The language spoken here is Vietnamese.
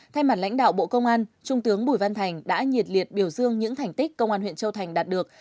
thay mặt lãnh đạo bộ công an trung tướng bùi văn thành đã nhiệt liệt biểu dương những thành tích công an huyện châu thành đạt được